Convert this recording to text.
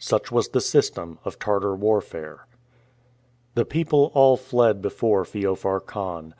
Such was the system of Tartar warfare. The people all fled before Feofar Khan.